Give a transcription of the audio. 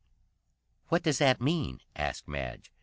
"What does that mean?" asked Madge.